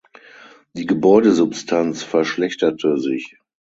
Die Gebäudesubstanz verschlechterte sich.